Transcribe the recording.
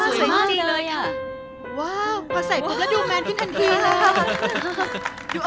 พอใส่ปุ๊บเราดูแมนต์ขึ้นกันทีเลยค่ะ